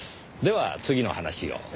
では次の話を。